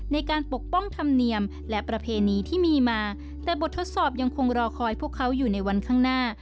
ปกป้องธรรมเนียมและประเพณีที่มีมาแต่บททดสอบยังคงรอคอยพวกเขาอยู่ในวันข้างหน้า